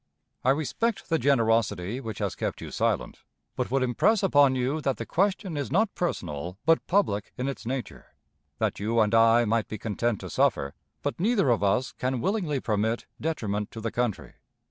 "I respect the generosity which has kept you silent, but would impress upon you that the question is not personal but public in its nature; that you and I might be content to suffer, but neither of us can willingly permit detriment to the country.